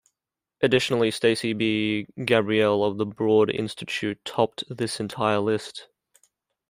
Additionally, Stacey B. Gabriel of the Broad Institute topped this entire list.